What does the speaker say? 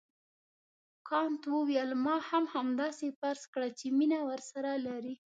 کانت وویل ما هم همداسې فرض کړه چې مینه ورسره لرې.